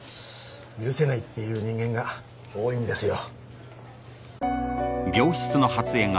許せないっていう人間が多いんですよ